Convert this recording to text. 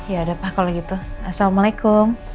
ya udah pak kalo gitu assalamualaikum